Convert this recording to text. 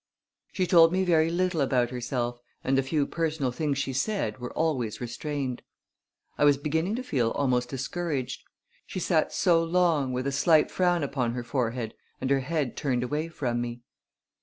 She told me very little about herself and the few personal things she said were always restrained. I was beginning to feel almost discouraged; she sat so long with a slight frown upon her forehead and her head turned away from me.